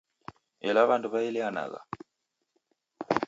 Ela w'andu waelianagha.